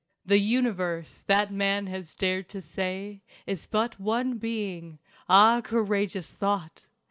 The Universe, that man has dared to say Is but one Being ah, courageous thought!